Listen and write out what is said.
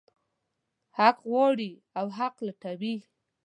حق غواړي او حق لټوي.